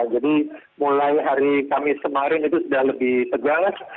jadi mulai hari kamis kemarin itu sudah lebih tegas